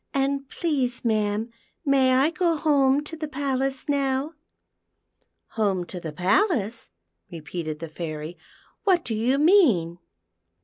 " And please, ma'am, may I go home to the palace now .'*"" Home to the palace }" repeated the Fairy. "What do you mean